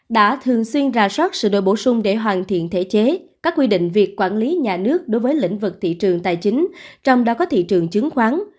đã thường xuyên ra soát sự đổi bổ sung để hoàn thiện thể chế các quy định việc quản lý nhà nước đối với lĩnh vực thị trường tài chính trong đó có thị trường chứng khoán